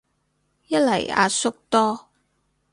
一嚟阿叔多